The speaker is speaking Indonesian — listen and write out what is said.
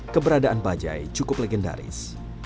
keberadaan bajai cukup legendaris